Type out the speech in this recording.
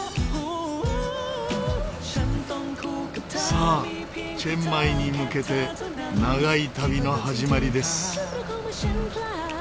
さあチェンマイに向けて長い旅の始まりです。